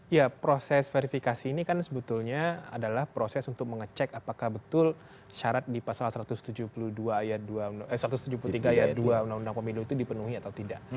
ya proses verifikasi ini kan sebetulnya adalah proses untuk mengecek apakah betul syarat di pasal satu ratus tujuh puluh tiga ayat dua undang undang pemindu itu dipenuhi atau tidak